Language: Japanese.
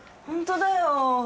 ほんとだよ。